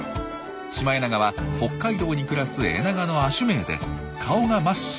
シマエナガは北海道に暮らすエナガの亜種名で顔が真っ白なのが特徴なんですよ。